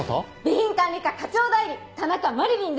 備品管理課課長代理田中麻理鈴です。